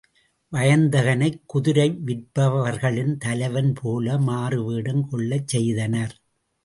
வயந்தகனைக் குதிரை விற்பவர்களின் தலைவன் போல மாறுவேடங் கொள்ளச் செய்தனர்.